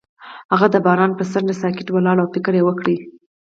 هغه د باران پر څنډه ساکت ولاړ او فکر وکړ.